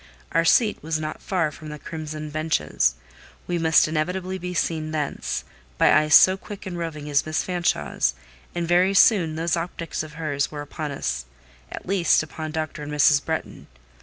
Our seat was not far from the crimson benches; we must inevitably be seen thence, by eyes so quick and roving as Miss Fanshawe's, and very soon those optics of hers were upon us: at least, upon Dr. and Mrs. Bretton.